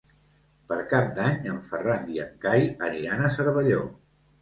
Per Cap d'Any en Ferran i en Cai aniran a Cervelló.